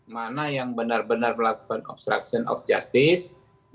mana yang benar benar melakukan obstruction of justice